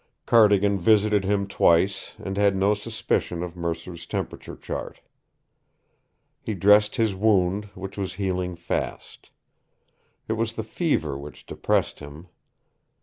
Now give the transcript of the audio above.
Cardigan visited him twice and had no suspicion of Mercer's temperature chart. He dressed his wound, which was healing fast. It was the fever which depressed him.